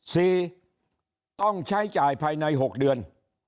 สี่ต้องใช้จ่ายภายในหกเดือน